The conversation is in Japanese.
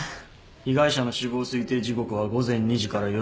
被害者の死亡推定時刻は午前２時から４時の間。